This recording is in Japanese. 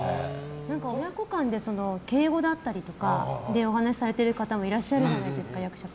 親子間で敬語だったりとかでお話しされている方もいらっしゃるじゃないですか役者さん。